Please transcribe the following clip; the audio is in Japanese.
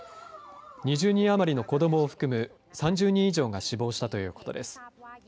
２０人余りの子どもを含む３０人以上が死亡したということです。